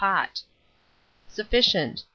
pot. Sufficient.